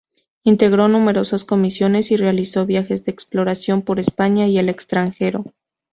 Integró numerosas comisiones y realizó viajes de exploración por España y el extranjero.